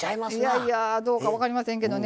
いやいやどうか分かりませんけどね。